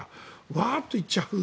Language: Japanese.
わーっと行っちゃう。